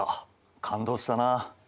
感動したな。